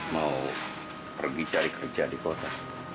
mau pergi cari kerja di kota